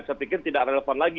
saya pikir tidak relevan lagi